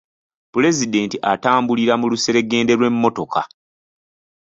Pulezidenti atambulira mu luseregende lw'emmotoka.